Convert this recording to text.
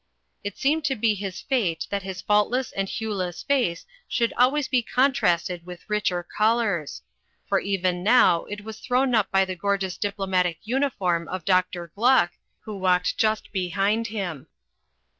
It seemed to be his fate that his faultless and hueless face should always be contrasted with richer colours; and even now it was thrown up by the gorgeous diplomatic uniform of Dr. Gluck, who walked just behind him.